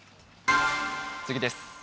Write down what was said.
次です。